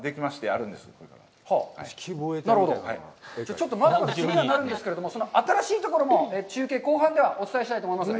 ちょっとまだまだ気にはなるんですけれども、その新しいところも中継後半ではお伝えしたいと思います。